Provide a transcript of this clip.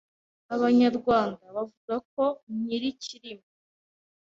Abanyarwanda bavuga ko nyir’ikirimi